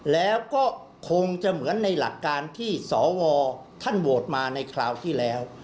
แล้วก็คงจะเหมือนในหลักการที่สวท่านโหวตมาในคราวที่แล้ว